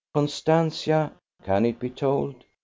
Constantia ... can it be told?